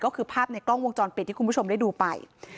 ก็คือภาพในกล้องวงจรปิดที่คุณผู้ชมได้ดูไป